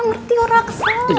ngerti orang kesel